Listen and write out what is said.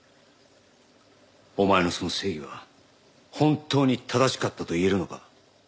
お前のその正義は本当に正しかったと言えるのか？